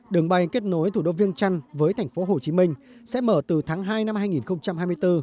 đường bay kết nối thủ đô viêng trần với thành phố hồ chí minh sẽ mở từ tháng hai năm hai nghìn hai mươi bốn